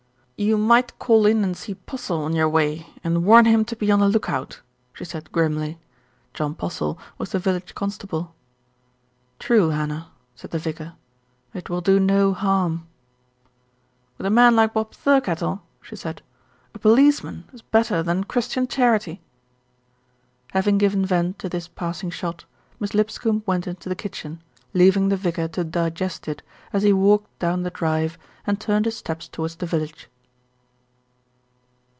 "You might call in and see Postle on your way and warn him to be on the look out," she said grimly. John Postle was the village constable. "True, Hannah," said the vicar, "it will do no harm." "With a man like Bob Thirkettle," she said, "a policeman is better than Christian charity." Having given vent to this passing shot, Miss Lip scombe went into the kitchen, leaving the vicar to digest it as he walked down the drive and turned his steps towards the village.